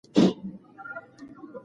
بې مقصده ژوند مه کوئ.